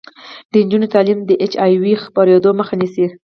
د نجونو تعلیم د اچ آی وي خپریدو مخه نیسي.